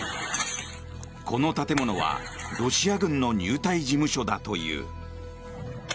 この建物はロシア軍の入隊事務所だという。